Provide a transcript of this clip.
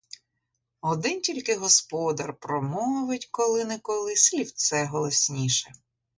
Один тільки господар промовить коли-не-коли слівце голосніше.